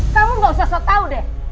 kamu gak usah so tau deh